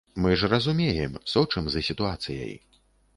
Мы ж разумеем, сочым за сітуацыяй!